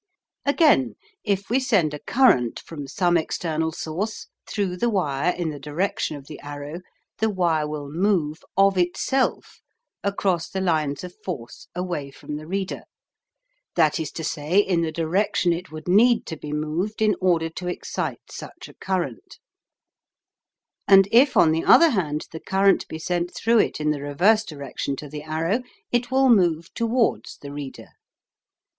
Again, if we send a current from some external source through the wire in the direction of the arrow, the wire will move OF ITSELF across the lines of force away from the reader, that is to say, in the direction it would need to be moved in order to excite such a current; and if, on the other hand, the current be sent through it in the reverse direction to the arrow, it will move towards the reader.